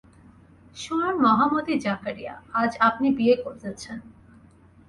শুনুন মহামতি জাকারিয়া, আজ আপনি বিয়ে করেছেন।